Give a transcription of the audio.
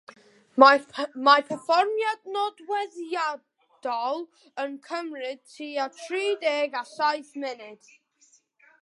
Mae perfformiad nodweddiadol yn cymryd tua tri deg a saith munud.